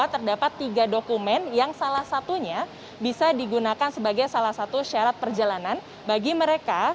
karena terdapat tiga dokumen yang salah satunya bisa digunakan sebagai salah satu syarat perjalanan bagi mereka